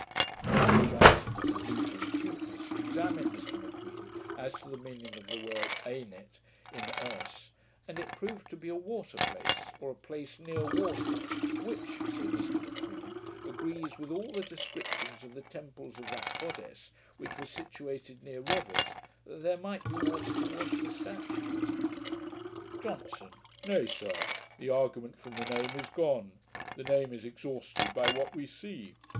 Dr Johnson, with his usual acuteness, examined Mr M'Queen as to the meaning of the word Ainnit, in Erse; and it proved to be a WATER PLACE, or a place near water, 'which,' said Mr M'Queen, 'agrees with all the descriptions of the temples of that goddess, which were situated near rivers, that there might be water to wash the statue'. JOHNSON. 'Nay, sir, the argument from the name is gone. The name is exhausted by what we see.